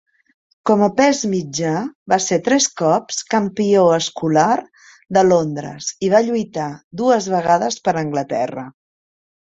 Com a pes mitjà va ser tres cops campió escolar de Londres i va lluitar dues vegades per Anglaterra.